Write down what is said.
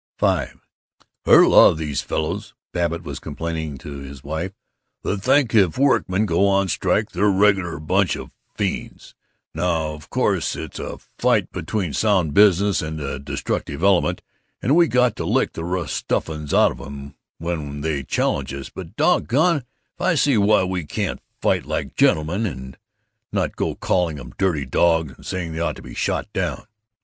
V "There's a lot of these fellows," Babbitt was complaining to his wife, "that think if workmen go on strike they're a regular bunch of fiends. Now, of course, it's a fight between sound business and the destructive element, and we got to lick the stuffin's out of 'em when they challenge us, but doggoned if I see why we can't fight like gentlemen and not go calling 'em dirty dogs and saying they ought to be shot down."